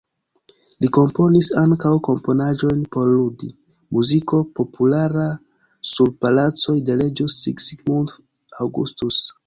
Li komponis ankaŭ komponaĵojn por ludi, muziko populara sur palacoj de reĝo Sigismund Augustus.